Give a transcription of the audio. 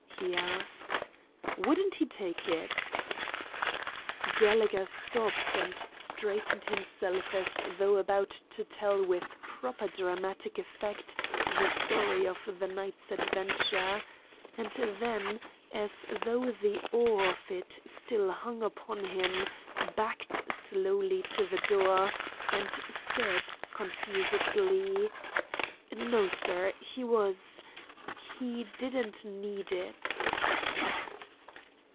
he asked. "Wouldn't he take it?" Gallegher stopped and straightened himself as though about to tell with proper dramatic effect the story of the night's adventure, and then, as though the awe of it still hung upon him, backed slowly to the door, and said, confusedly, "No, sir; he was he didn't need it."